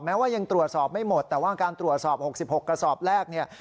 ว่ายังตรวจสอบไม่หมดแต่ว่าการตรวจสอบ๖๖กระสอบแรกเนี่ย